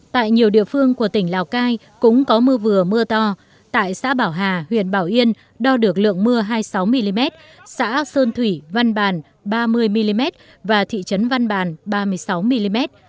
tại nhiều địa phương của tỉnh lào cai cũng có mưa vừa mưa to tại xã bảo hà huyện bảo yên đo được lượng mưa hai mươi sáu mm xã sơn thủy văn bàn ba mươi mm và thị trấn văn bàn ba mươi sáu mm